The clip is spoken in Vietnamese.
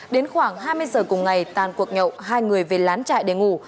đến khoảng hai mươi giờ cùng ngày tan cuộc nhậu hai người về lán trại để ngủ